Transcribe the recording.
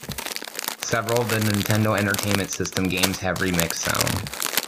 Several of the Nintendo Entertainment System games have remixed sound.